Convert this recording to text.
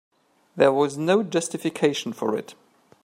There was no justification for it.